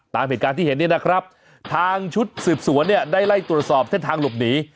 ตามเหตุการณ์ที่เห็นเนี่ยนะครับทางชุดสืบสวนเนี่ยได้ไล่ตรวจสอบเส้นทางหลบหนี